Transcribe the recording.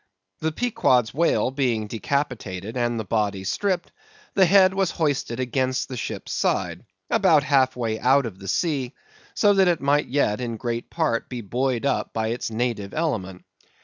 The Pequod's whale being decapitated and the body stripped, the head was hoisted against the ship's side—about half way out of the sea, so that it might yet in great part be buoyed up by its native element.